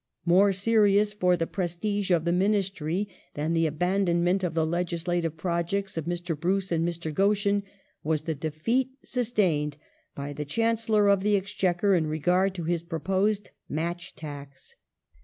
More serious for the prestige of the Ministry, than the. abandon Lowe's ment of the legislative projects of Mr. Bruce and Mr. Goschen was ^"^S^^^ the defeat sustained by the Chancellor of the Exchequer in regard to his proposed match tax.